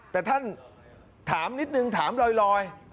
แต่ท่านถามนิดนึงถามลอย